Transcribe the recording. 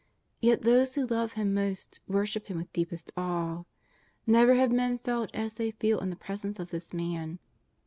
Yet those who lovo Him most worship Him with deepest awe. Never have men felt as .hey feel in the Presence of this Man.